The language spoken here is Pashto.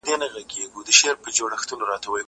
زه له سهاره درسونه اورم؟!